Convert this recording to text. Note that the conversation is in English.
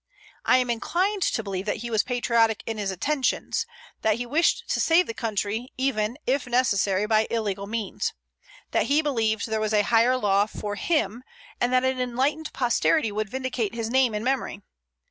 I am inclined to believe that he was patriotic in his intentions; that he wished to save the country even, if necessary, by illegal means; that he believed there was a higher law for him, and that an enlightened posterity would vindicate his name and memory.